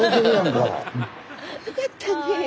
よかったねえ。